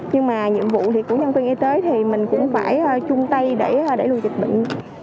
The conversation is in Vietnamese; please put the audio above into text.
nhưng mà nhiệm vụ của nhân viên y tế thì mình cũng phải chung tay để lưu dịch bệnh